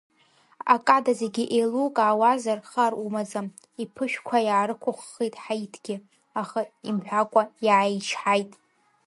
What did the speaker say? Акада зегьы еилукаауазар, хар умаӡам, иԥышәқәа иаарықәххит Ҳаиҭгьы, аха имҳәакәа иааичҳаит.